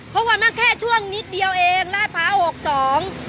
เพราะว่ามันแค่ช่วงนิดเดียวเองลาดพร้าวหกสอง